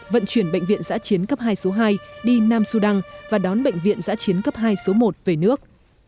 vận chuyển bệnh viện giã chiến cấp hai số hai đi nam sudan và đón bệnh viện giã chiến cấp hai số một về nước